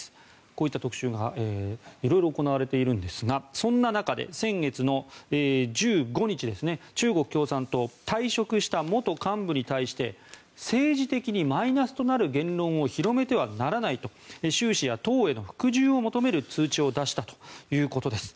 こういった特集がいろいろ行われているんですがそんな中で先月の１５日中国共産党退職した元幹部に対して政治的にマイナスとなる言論を広めてはならないと習氏や党への服従を求める通知を出したということです。